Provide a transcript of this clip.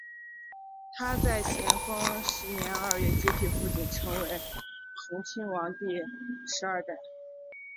他在咸丰十年二月接替父亲成为恒亲王第十二代。